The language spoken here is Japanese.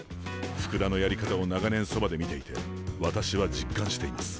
福田のやり方を長年そばで見ていて私は実感しています。